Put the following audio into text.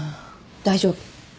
大丈夫。